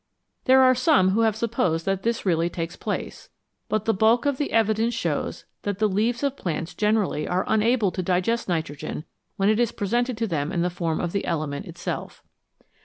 There are some who have supposed that this really takes place, but the bulk of the evidence shows that the leaves of plants generally are unable to digest nitrogen when it is presented to them in the form of the element itself.